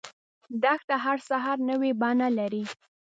دښته هر سحر نوی بڼه لري.